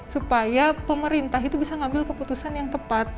supaya pemerintah itu bisa ngambil keputusan yang tepat